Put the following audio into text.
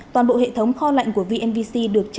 toàn bộ hệ thống kho lạnh của vnvc được tiêm chủng